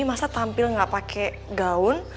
masa tampil gak pake gaun